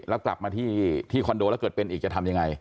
แล้วกลับมาที่คอนโดแล้วเกิดเป็นอีกจะทำยังไง